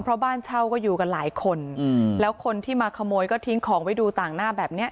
เพราะบ้านเช่าก็อยู่กันหลายคนอืมแล้วคนที่มาขโมยก็ทิ้งของไว้ดูต่างหน้าแบบเนี้ย